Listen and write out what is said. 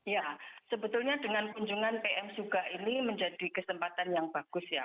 ya sebetulnya dengan kunjungan pm suga ini menjadi kesempatan yang bagus ya